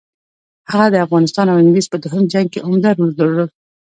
هغه د افغانستان او انګلیس په دوهم جنګ کې عمده رول درلود.